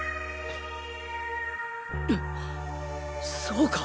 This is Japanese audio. そうか！